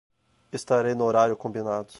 Estarei no horário combinado